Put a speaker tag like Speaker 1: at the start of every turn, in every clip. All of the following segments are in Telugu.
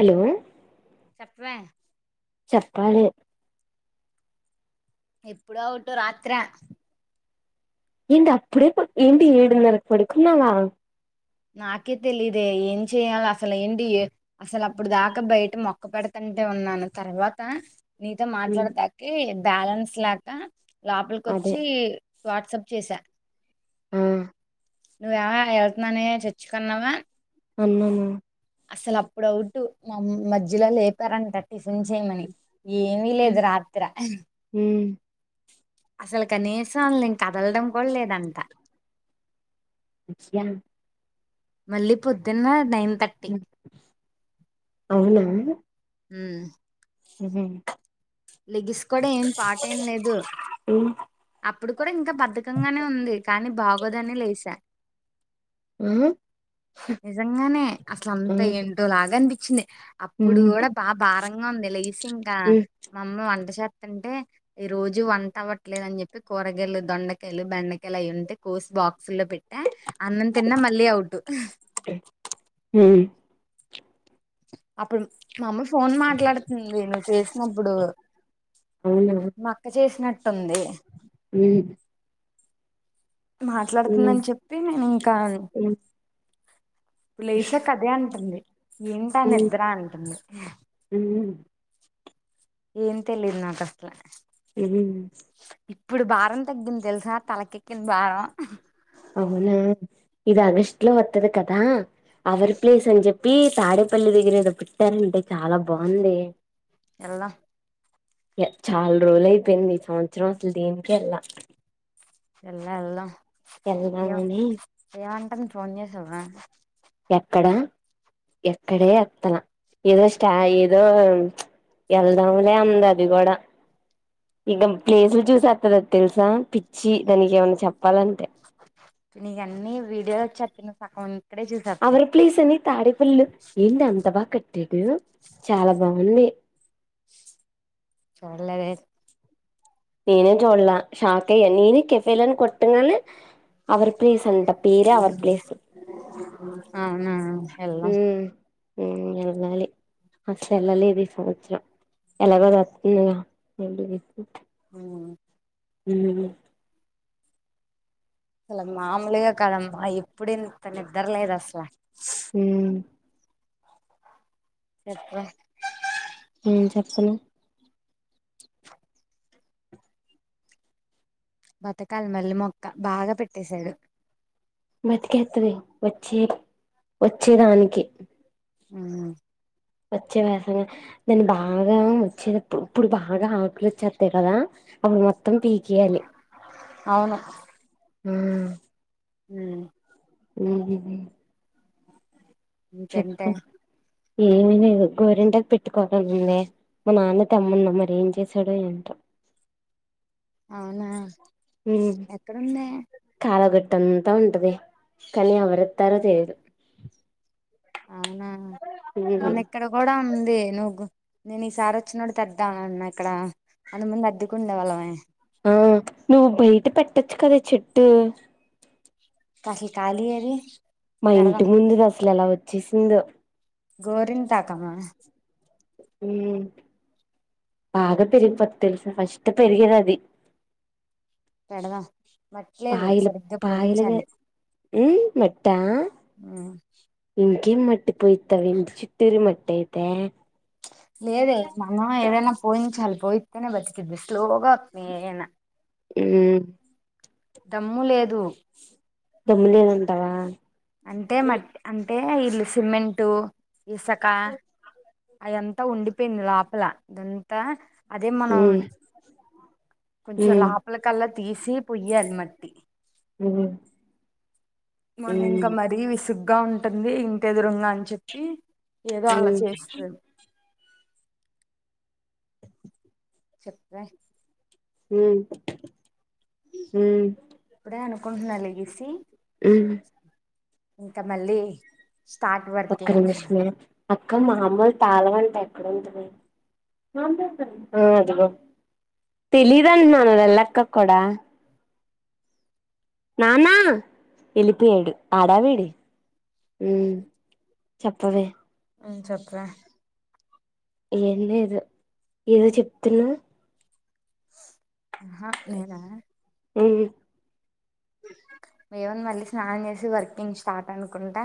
Speaker 1: హలో
Speaker 2: చెప్పవే
Speaker 1: చెప్పాలి
Speaker 2: ఎప్పుడో ఔట్ రాత్ర
Speaker 1: ఏంటి అప్పుడే పడ్ ఏంటి ఏడున్నరక్ పడుకున్నావా
Speaker 2: నాకే తెలిదే ఏం చెయాలి అసలు ఏంటి అసలు అప్పుడు దాకా బయట మొక్క పెడతం అంటే ఉన్నాను తర్వాత నీతో
Speaker 1: ఉమ్,
Speaker 2: మాట్లాడేతాకి బ్యాలెన్స్ లాక
Speaker 1: అదే
Speaker 2: లోపలికొచ్చి వాట్సప్ చేసా
Speaker 1: ఊ
Speaker 2: నువ్వేమ వెళ్తున్నానే చర్చ్చుకన్నావా
Speaker 1: అన్నాను
Speaker 2: అసలు అప్పుడవుట్ మా మధ్యలో లేపారంట టిఫిన్ చేయమని ఏమీ లేదు రాత్రా
Speaker 1: ఉమ్,
Speaker 2: అసలు కనీసం అల కదలడం కూడా లేదంట
Speaker 1: స్య
Speaker 2: మళ్ళీ పొద్దున్న నైన్ థర్టీ
Speaker 1: అవునా
Speaker 2: ఉ
Speaker 1: ఉహు
Speaker 2: లెగిస్ కూడా ఏం పాట ఏం లేదు
Speaker 1: ఆ
Speaker 2: అప్పుడు కూడా ఇంకా బద్ధకంగానే ఉంది కానీ బాగోదని లేసా నిజంగానే అసలు
Speaker 1: ఆ,
Speaker 2: అంతా ఏంటో లాగా అనిపించింది అప్పుడు
Speaker 1: ఉమ్,
Speaker 2: కూడా బా భారంగా ఉంది లేసి ఇంకా
Speaker 1: ఉమ్,
Speaker 2: మా అమ్మ వంట చెత్తంటే ఈ రోజు వంట అవ్వట్లేదు అని చెప్పి కూరగాయలు దొండకాయలు బెండకాయలు అయ్ ఇంటే కోస్ బాక్ ల్లో పెట్టా అన్నం తిన్న మళ్ళీ అవుట్
Speaker 1: ఉమ్,
Speaker 2: అప్పుడు మామ్మ ఫోన్ మాట్లాడుతుంది నువ్వు చేసినప్పుడు
Speaker 1: అవునా
Speaker 2: మా అక్క చేసినట్ ట్టుంది
Speaker 1: ఉ
Speaker 2: మాట్లాడుతుందని చెప్పి నేను ఇంకా
Speaker 1: ఉమ్,
Speaker 2: ఇప్పుడు లేసా కదే అంటుంది ఏంటా ఆ
Speaker 1: ఉమ్,
Speaker 2: నిద్ర అంటుంది
Speaker 1: ఉమ్,
Speaker 2: ఏం తెలీదు నాకస్ల
Speaker 1: తెలీదు
Speaker 2: ఇప్పుడు భారం తగ్గింది తెలుసా తలకెక్కింది భారం
Speaker 1: అవునా ఇది అగస్ట్ లో వత్తది కదా అవర్ ప్లేస్ అని చెప్ ప్పి తాడేపల్లి దగ్గర ఏదో పెట్టారంటే చాలా బాగుంది
Speaker 2: ఎల్ల
Speaker 1: చాలా రోజులయిపోయింది ఈ సంవత్సరం అసలు దీనికేళ్లా
Speaker 2: ఎల్ల ఎల్దమ్ ఏ
Speaker 1: వెళ్దామని
Speaker 2: ఏమంటన్ ఫోన్ చేసావా
Speaker 1: ఎక్కడ ఎక్కడే ఎత్తలా ఏదో స్టా ఏదో ఎళ్దాములే అంది అది కూడా ఇగ ప్లేసులు చూసేత్తది అది తెలుసా పిచ్చి దానికి ఏమన్నా చెప్పాలంటే
Speaker 2: నీకన్ని వీడియో చెప్పిన సగం ఇక్కడే చూసేస్తావు
Speaker 1: అవరి ప్లీస్ అని తాడేపల్లిలో ఏంటి అంత బా కట్టాడు చాలా బాగుంది
Speaker 2: చూడలేదే
Speaker 1: నేను చూడల షాక్ అయ్య నేనె కెఫేలని కొట్టంగానే అవర్ ప్లీస్ అంట పేరే అవర్ ప్లేసు
Speaker 2: అవునా ఎల్దం
Speaker 1: ఎల్లాలి అసలు ఏళ్లలేదు ఈ సంవత్సరం ఎలాగో అది వత్తుంది గా
Speaker 2: ఉ
Speaker 1: ఉ
Speaker 2: అసలు మామూలుగా కాదమ్మా ఇప్పుడు ఇంత నిద్దర లేదు అసలు
Speaker 1: ఉ
Speaker 2: చెప్పు
Speaker 1: ఏం చేత్తన్నవ్
Speaker 2: బతకాలి మల్ళీ మొక్క బాగా పెట్టేసాడు
Speaker 1: చే వచ్చేదానికి
Speaker 2: ఊ
Speaker 1: వచ్చే వ్యాసం నేను బాగా వచ్చేప్పుడు ఇప్పుడు బాగా ఆకలి వచేత్తయి కదా అప్పుడు మొత్తం పీకెయాలి
Speaker 2: అవును
Speaker 1: హ
Speaker 2: ఉ
Speaker 1: ఉ
Speaker 2: ఇంకెంటె
Speaker 1: ఏమి లేదు గోరింటాకు పెట్టుకోలని ఉందే మా నాన్న తెమ్మన్నా మరి ఏం చేసాడో ఏంటో
Speaker 2: అవునా ఎక్కడుంద
Speaker 1: అంతా ఉంటది కానీ ఎవరెత్తారో తెలిదు
Speaker 2: అవునా మొన్న ఇక్కడ కూడా అదే నువ్వు నేను ఈసారి వచ్చినోడి తెద్దా అన్న అక్కడ అంత ముందు అద్దకు ఉండే వాళ్ళమే
Speaker 1: ఆ నువ్వు బయట పెట్టచ్చు కదా చెట్టు
Speaker 2: అసల్ కాలి ఏది
Speaker 1: మా ఇంటి
Speaker 2: పెడదాం
Speaker 1: ముందు అసలు ఎలా వచ్చేసిందో
Speaker 2: గోరింటాకమ
Speaker 1: ఉ బాగా పెరిగిపోతలు ఫస్ట్ పెరిగేదే అది
Speaker 2: పెడదాం మట్లేదు సరిగ్గా పోయించండి
Speaker 1: ఉ మట్టా ఉం గం మట్టి పోయిత్తవ చిత్తూరి మట్ట అయితే
Speaker 2: లేదే మమ్న ఎదైనా పోయించాలి పోయి అయితేనే బతుతది శ్లోగా ఆక్తేయనా
Speaker 1: ఊ
Speaker 2: దమ్ము లేదు
Speaker 1: దమ్ము లేదంటావా
Speaker 2: అంటే మట్ అంటే ఇల్లు సిమెంటు ఇసుక అయంతా ఉండిపోయింది లోపల ద అదే మనం
Speaker 1: ఉమ్
Speaker 2: కొంచెం
Speaker 1: ఉమ్
Speaker 2: లోపల కల్లా తీసి పొయ్యి అల్మట్
Speaker 1: అ
Speaker 2: మొన్న ఇంకా మరీ విసుగ్గా ఉంటుంది ఇంటి ఎదురుంగ అని చెప్పి ఏదో అలా
Speaker 1: ఉమ్
Speaker 2: చేస్తుంది చెప్
Speaker 1: హ హ
Speaker 2: ఇప్పుడే అనుకుంటున్నలిగసి
Speaker 1: ఉమ్
Speaker 2: ఇంకా మళ్ళీ స్టార్ట్
Speaker 1: ఒక్క
Speaker 2: వర్కింగ్
Speaker 1: నిమిషమే అక్క మామూలు తాళవంట ఎక్కడంటుంది అది తెలీదుండి మన వెళ్ళక్క కూడాడా నానా వెలిిపోయాడు ఆడావిడి ఉ చెప్పద
Speaker 2: అ చెత్రే
Speaker 1: ఏంది ఏదో ఏదో చెప్తున్నా
Speaker 2: ఆహా నేను
Speaker 1: అ
Speaker 2: ఏవన్ మళ్ళీ స్నానం చేసి వర్కింగ్ స్టార్ట్ అనుకుంటా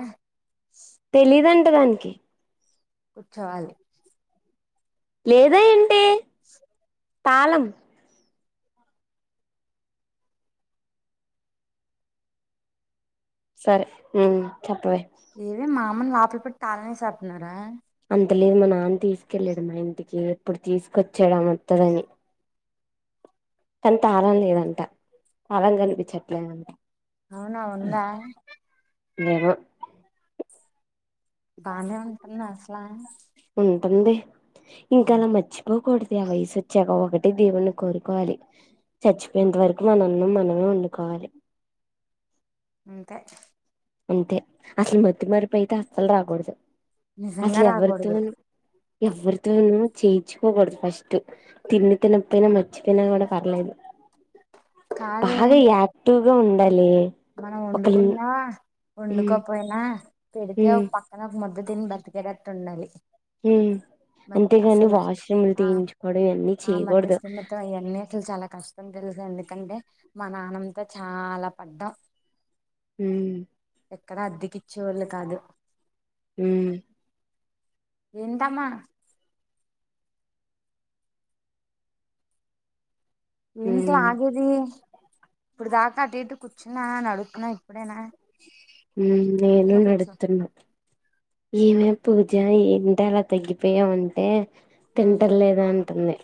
Speaker 1: తెలీదుంట దానికి
Speaker 2: కూర్చోవాలి
Speaker 1: లేదా ఏంటి తాళం సరే చెప్పవ
Speaker 2: ఏవే మా అమని లోపలి పెట్టి తాళనే సపన్నారా
Speaker 1: అంత లేదు మా నాన్న తీసుకెళ్ళడు మా ఇంటికి ఎప్పుడు తీసుకొచ్చేయడ వతుదని అంత ఆల లేదంట ఆలం కనిపించట్లేదంట
Speaker 2: అవునా ఉందా
Speaker 1: లేరు
Speaker 2: బానే ఉంటుంది అసలా
Speaker 1: ఉంటుంది ఇంకా అలా మర్చిపోకూడదు దగ వసి వచ్చాక ఒకటి దేవుణ్ణి కోరుకోవాలి చచ్చిపోయేంత వరకు మనన్న మనమే వండుకోవాలి
Speaker 2: అంతే
Speaker 1: అంతే అసలు మత్తి మరపు అయితే అస్సలు రాకూడదు
Speaker 2: నిజంగా
Speaker 1: అసలుభర్త
Speaker 2: రాకూడదు
Speaker 1: ఎవరితోన చేయిచుకోకూడదు ఫస్ట్ తిని తినకపోయినా మర్చిపోయినా కూడా పర్లేదు
Speaker 2: కాదే
Speaker 1: బాగా యాక్టివ్గా ఉండాలి
Speaker 2: మనం
Speaker 1: ఒకళ
Speaker 2: వండుకున్నా
Speaker 1: ఉమ్
Speaker 2: వండుకోపోయినా పెడితే
Speaker 1: ఉమ్
Speaker 2: ఒక పక్కన ఒక మద్ద దని బ్రతికేటట్టు ఉండాలి
Speaker 1: హ
Speaker 2: మ అసలు ఆ
Speaker 1: ఇవన్నీ
Speaker 2: ఆ మతి
Speaker 1: చేయకూడదు
Speaker 2: ఇస్ మత్తం అవన్నీ అసలు చాలా కష్టం తెలుసు అందుడి ఎందుకంటే మా నాన్నంతా చాలా పడ్డాం
Speaker 1: హ
Speaker 2: ఎక్కడ అద్దెకిచ్చేవాళ్ళు కాదు
Speaker 1: హ
Speaker 2: ఏందామా ఎంత
Speaker 1: ఉమ్
Speaker 2: ఆగేది ఇప్పుడు దాకా అటు ఇటు కూర్చున్నా నడుగుతున్నా ఇప్పుడేనా
Speaker 1: నేను
Speaker 2: కింద కూర్చో
Speaker 1: నడుతున్నా ఈవే పూజ ఏంటి అలా తగ్గిపోయా అంటే తింటం లేదా అంటుంది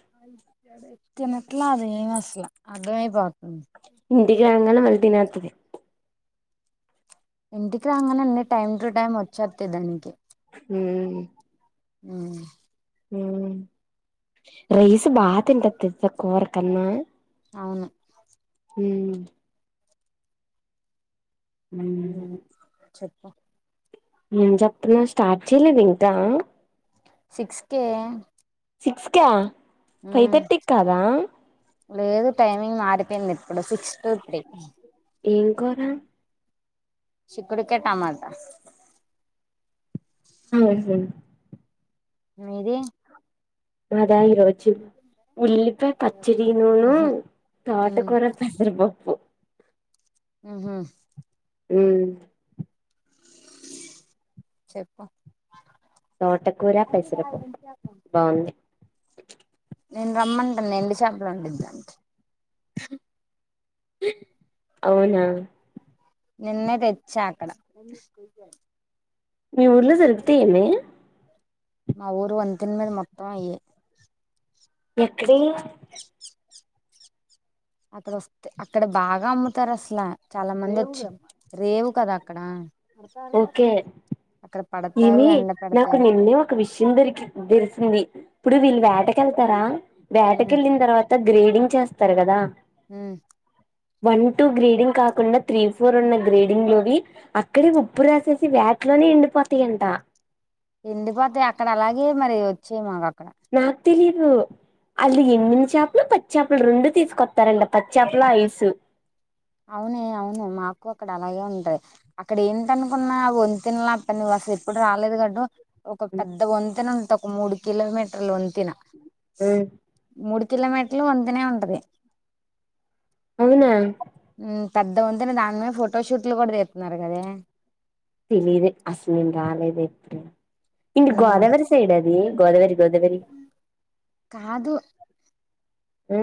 Speaker 2: కినట్లా అది ఏ మాసలా అమే పాతుంది
Speaker 1: ఇంటి రాగానే మళ్ళీ తినేతదీ
Speaker 2: ఇంటికి రాగానే అన్నన్ని టైమ్ టు టైమ్ వచ్చేస్త దానికి
Speaker 1: ఉ
Speaker 2: ఆ
Speaker 1: ఉ రైస్ బాగా తింటది తెలుసా కూర కన్నా
Speaker 2: అవును
Speaker 1: ఉ
Speaker 2: ఉమ్ చెప్పు
Speaker 1: ఏం చెప్తున్నా స్టార్ట్ చేయలేదు ఇంకా
Speaker 2: సిక్స్ కేే
Speaker 1: సిక్స్కా ఫైవ్ థర్టీకి కాదా
Speaker 2: లేదు టైమింగ్ మారిపోయింది ఇప్పుడు సిక్స్ టు త్రీ
Speaker 1: ఏం కుర్ర
Speaker 2: చిక్కుడుకాయ టమాట
Speaker 1: ఆహా
Speaker 2: మీది
Speaker 1: మదా ఈ రోజు ఉల్లిపాయ్ పచ్చడి నూనూ
Speaker 2: మ్మ్ హ్మ్
Speaker 1: తోటకుర పెసరపప్పు
Speaker 2: ఉహు
Speaker 1: ఉమ్
Speaker 2: చెప్పు
Speaker 1: తోటకూర పెసరపప్పు బాగుంది
Speaker 2: నేను రమ్మంటాదీ ఎండి చేపలు వండిద్దం అంట
Speaker 1: అవునా
Speaker 2: నిన్నే తెచ్చ ఆక్కడ
Speaker 1: మీ ఊర్లో జరుగుతే ఏమే
Speaker 2: మా ఊరు వంతెని మీద మొత్తం అయ్యే
Speaker 1: ఎక్కడే
Speaker 2: అతడ వస్తే అక్కడ బాగా అమ్ముతారు అసలు చాలా మంది వచ్చ రేవు కదా అక్కడ అతగా
Speaker 1: ఏమే నాకు నిన్నే ఒక విషయం దొరికి తెలిసింది ఇప్పుడు వీళ్ళు వేటకెళ్తారా
Speaker 2: మ్మ్
Speaker 1: వేటకెళ్ళిన తర్వాత గ్రేడింగ్ చేస్తారు కదా
Speaker 2: హమ్
Speaker 1: వన్ టూ గ్రేడింగ్ కాకుండా త్రీ ఫోర్ ఉన్న గ్రేడింగ్ లోవి అక్కడే ఉప్పు రాసేసి వేటిలోనే ఎండిపోతాయంట
Speaker 2: తండిపోతే అక్కడ అలాగే మరి వచ్చే మాకు అక్కడ
Speaker 1: నాక్ తెలిదు హాల్లో ఎండిన చేపలు పచ్చి చేపలు రెండు తీసుకొస్తారండి పచ్చ చేపల ఐసు
Speaker 2: అవునే అవును మాకు అక్కడ అలాగే ఉంటయి అక్కడ ఏంటనుకున్నా వంతేలా అ పనిస్త నువ్వు ఎప్పుడు రాలేదు అటు ఒక పెద్ద వంతెన ఉంటా ఒక మూడు కిలోమీటర్ల వంతెన
Speaker 1: మ్మ్
Speaker 2: మూడు కిలోమీటర్లు వంతేనే ఉంటది
Speaker 1: అవునా
Speaker 2: పెద్ద వంతెనే దాని మీద ఫోటోషూట్లు కూడా తీస్తున్నారు కదే
Speaker 1: తెలిదు అసలు నేను రాలేదు ఎప్పుడు ఇంటి
Speaker 2: ఉమ్,
Speaker 1: గోదావరి సైడ్ అది గోదావరి గోదావరి
Speaker 2: కాదు
Speaker 1: ఆ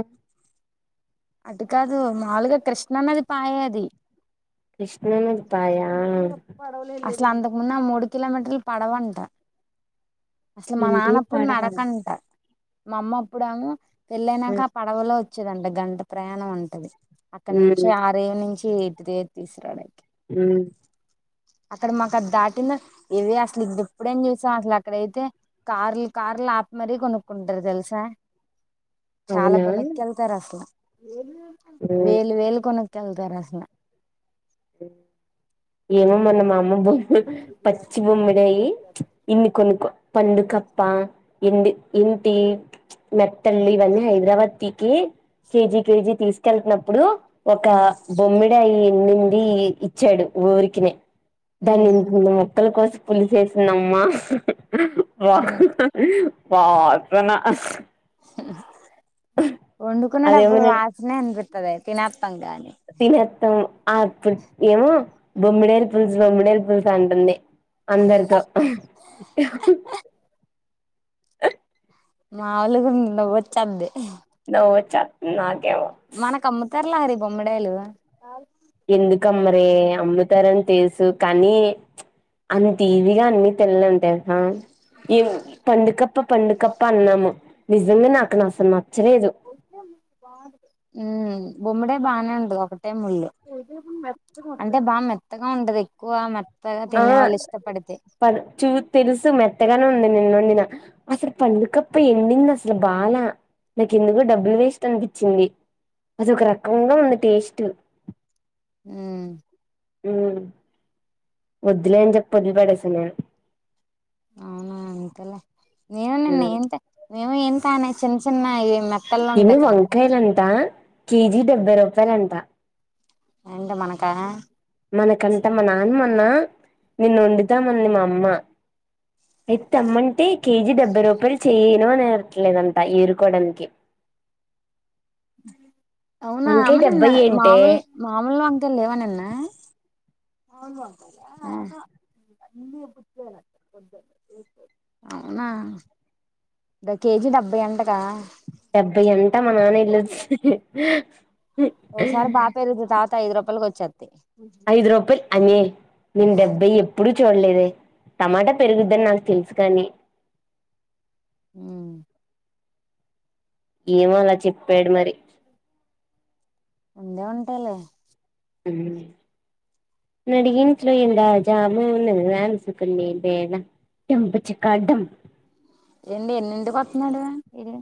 Speaker 2: అటు కాదు మాలుగా కృష్ణన్నది పాయే అది
Speaker 1: కృష్ణ నది పయా
Speaker 2: ఇట్లా అంతకు ముందు ఆ మూడు కిలోమీటర్లు పడవంట. అసలు మా
Speaker 1: ఏంటి
Speaker 2: నాన్నప్పుడు
Speaker 1: పడవ
Speaker 2: నడకంట మా అమ్మ అప్పుడు ఏమొ పెళ్ళైనాక
Speaker 1: మ్మ్
Speaker 2: పడవలో వచ్చేదంట గంట ప్రయాణం ఉంటది. అక్కడ నుంచి ఆరే నుంచి ఎటు త తీసురాడాకి
Speaker 1: మ్
Speaker 2: అక్కడ మాకు అది దాటిన ఇవే అసలు ఇప్పుడ ఎప్పుడైనా చూసాం అసలు అక్కడైతే కార్లు కార్లు ఆ మరీ కొనుక్కుంటారు తెలుసా? చాలా
Speaker 1: అవునా
Speaker 2: కొనుక్కుళ్తారు అసలు
Speaker 1: మ్మ్
Speaker 2: వేలు వేలు కొనుక్ జళ్త రాసిన
Speaker 1: ఉ ఏమో మన మా అమ్మ బొమ్మ పచ్చి బొమ్మడి అయ్యి ఇన్ని కొనుక్క పండుకప్ప ఇండి ఇంటి చ్ మెత్తల్లి ఇవన్నీ హైదరాబాద్ కి కేజీ కేజీ తీసుకెళ్నప్పుడు ఒక బొమ్మిడాయి ఎ ది ఇచ్చాడు ఊరికినే దాన్ని ఎంతమొ మక్కల కోసం పులి చేసిందమ్మా వాక్ వాద్దున్నా అహ్
Speaker 2: వండుకునేటప్పుడు
Speaker 1: అదేమోనే
Speaker 2: వాసనే అనిపిత్తది తిన
Speaker 1: తినేత్తాం ఆప్పుడు ఏమో బొమ్మిడేల్ పుల్స్, బొమ్మిడేల్ పుల్స్ అంటుంది అందరితో అహ్ హెహు
Speaker 2: మాములుగుందా వచ్చేది
Speaker 1: నవ్ వచ్చత్తాంది నా
Speaker 2: మనకు అమ్ముతారు లారి బొమ్మిడాయలు
Speaker 1: ఎందుకమ్మరే అమ్ముతారని తెలుసు కానీ చ్ అంత ఇజిగా అన్ని తెల్ంటే అ ఎం పండుగ ప్ప పండుకప్ప అన్నాము నిజంగా నాకు నాసలు నచ్చలేదు.
Speaker 2: ఉమ్ బొమ్మడే బానే ఉంటది ఒకటే ముళ్ళు మెత్త అంటే బాగా మెత్తగా ఉండదు ఎక్కువ మ
Speaker 1: ఆ పర్ చూ తెలుసు మెత్తగా ఆ నిన్నండిన అసలు పండుకప్ప ఎండింది అసలు బాల నాకేందుకు డబ్బులు వేస్ట్ అనిపించింది అదొక రకంగా ఉంది టేస్ట్
Speaker 2: అ
Speaker 1: అ వద్లేం అని చెప్ప వదిలి పడిసెనే
Speaker 2: అవునా అంతేలే నేను నిన్న
Speaker 1: ఉమ్
Speaker 2: ఏంత మేము ఏం కానీ చిన్న చిన్న ఇవి మెత్తల్లో
Speaker 1: ఏమి
Speaker 2: ఉంటాయి కదా
Speaker 1: వంకాయలు అంతా కేజి డెబ్బై రూపాయలు అంతా
Speaker 2: ఏంటి మనకాడ
Speaker 1: మనకంట మా నాన్నమన్న నిన్న వండుతామని మా అమ్మ అయితే అమ్మంటే కేజీ డెబ్బై రూపాయలు చేయను అనేట్లేదంట ఏరుకోవడానికి
Speaker 2: అవునా
Speaker 1: వంకాయ
Speaker 2: అమ్మ నిన్న
Speaker 1: డెబ్బై ఏంటే
Speaker 2: మాముూలు మామూలు వంక లేవా నిన్న అవును అవునా ద కేజీ డెబ్బై అంటక
Speaker 1: డెబ్బై అంట మా నాన్న వెల్ళొచ్చ
Speaker 2: ఓసారి బాగా పెరుగుదుంది తర్వాత ఐదు రూపాయలకి వచ్చాది
Speaker 1: ఐదు రూపాయలు అనే నేను డెబ్బాయి ఎప్పుడు చూడలేద టమాటా పెరుగుద్దని నాకు తెలుసు కాని
Speaker 2: ఉ
Speaker 1: ఏమో అలా చెప్పాడు మరి
Speaker 2: ఉందే ఉంటాలే
Speaker 1: ఉ నడించలో ఎంత జామున్న అ సుకున్నేడం దంపా చక డం
Speaker 2: ఎండి ఏనిటికి వస్తున్నాడు ఇడు